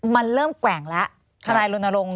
มันเริ่มแกว่งแล้วทนายโรนโลง